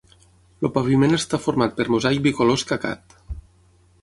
El paviment està format per mosaic bicolor escacat.